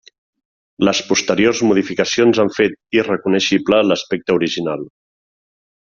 Les posteriors modificacions han fet irreconeixible l’aspecte original.